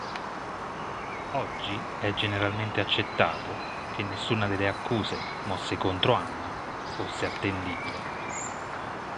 Oggi è generalmente accettato che nessuna delle accuse mosse contro Anna fosse attendibile.